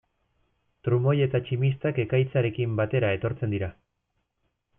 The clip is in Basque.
Trumoi eta tximistak ekaitzarekin batera etortzen dira.